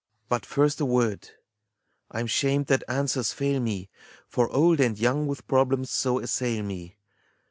WAGNER. But first, a word ! I'm shamed that answers fail me ; For old and young with problems so assail me.